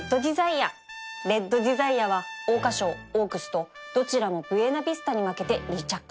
レッドディザイアは桜花賞オークスとどちらもブエナビスタに負けて２着